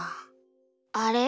あれ？